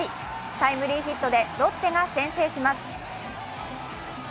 タイムリーヒットでロッテが先制します。